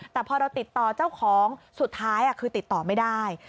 แต่พอเราติดต่อเจ้าของสุดท้ายคือติดต่อไม่ได้